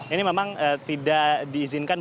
ini memang tidak diizinkan